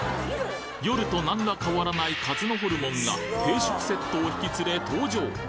夜となんら変わらない鹿角ホルモンが定食セットを引き連れ登場！